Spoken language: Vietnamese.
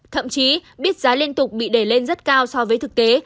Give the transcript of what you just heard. thậm chí biết giá liên tục bị đẩy lên rất cao so với thực tế